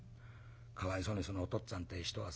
かわいそうにそのお父っつぁんってえ人はさ